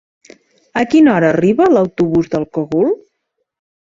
A quina hora arriba l'autobús del Cogul?